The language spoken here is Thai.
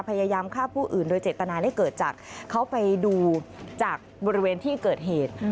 พยายามฆ่าผู้อื่นโดยเจตนานี่เกิดจากเขาไปดูจากบริเวณที่เกิดเหตุ